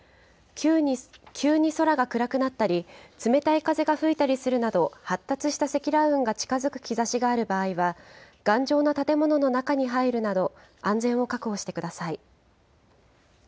急に空が暗くなったり、冷たい風が吹いたりするなど、発達した積乱雲が近づく兆しがある場合は、頑丈な建物の中に入るなど、安全を確保してください。